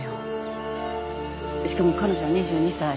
しかも彼女は２２歳。